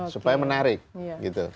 supaya menarik gitu